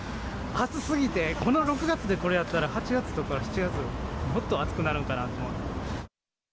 暑すぎて、この６月でこれやったら、８月とか７月、もっと暑くなるんかなと。